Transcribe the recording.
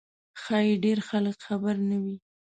ښایي ډېر خلک خبر نه وي.